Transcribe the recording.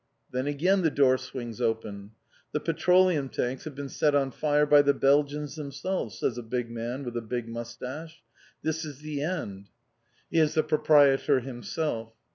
Then again the door swings open. "The petroleum tanks have been set on fire by the Belgians themselves!" says a big man with a big moustache. "This is the end." He is the proprietor himself.